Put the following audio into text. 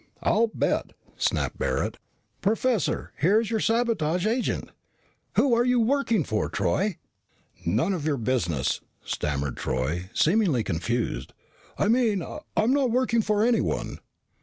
"I'll bet," snapped Barret. "Professor, here is your sabotage agent. Who are you working for, Troy?" "None of your business," stammered Troy, seemingly confused. "I mean, I'm not working for anyone."